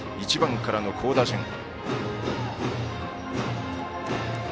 １番からの好打順。